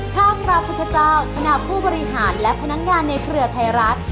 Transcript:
พระพุทธเจ้าคณะผู้บริหารและพนักงานในเครือไทยรัฐ